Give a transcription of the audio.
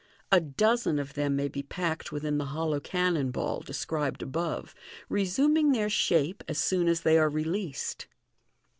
A dozen of them may be packed within the hollow cannon ball, described above, resuming their shape as soon as they are released.